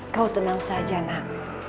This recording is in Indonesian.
kau tenang saja nak